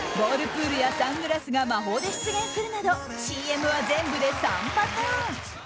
プールやサングラスが魔法で出現するなどＣＭは全部で３パターン。